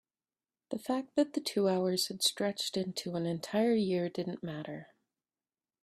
the fact that the two hours had stretched into an entire year didn't matter.